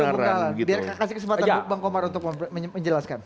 biar kasih kesempatan untuk bang omar untuk menjelaskan